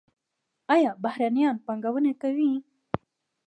آیا بهرنیان پانګونه کوي؟